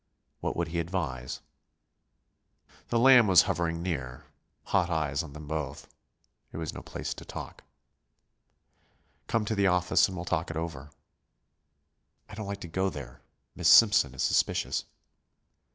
What would he advise? The Lamb was hovering near, hot eyes on them both. It was no place to talk. "Come to the office and we'll talk it over." "I don't like to go there; Miss Simpson is suspicious."